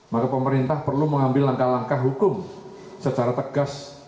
maka pemerintah perlu mengambil langkah langkah hukum secara tegas